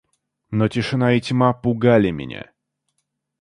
Но тишина и тьма пугали меня.